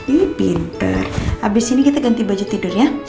ih pinter abis ini kita ganti baju tidur ya